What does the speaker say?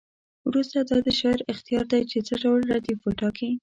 وروسته دا د شاعر اختیار دی چې څه ډول ردیف وټاکي.